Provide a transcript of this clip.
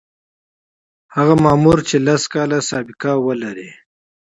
هغه مامور چې لس کاله سابقه ولري.